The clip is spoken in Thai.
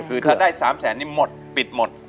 คือถ้าได้๓แสนนี่หมดปิดหมด